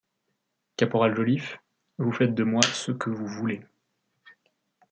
Caporal Joliffe, vous faites de moi ce que vous voulez.